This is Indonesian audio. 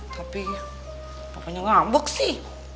tapi papanya ngambek sih